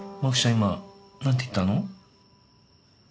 今何て言ったの？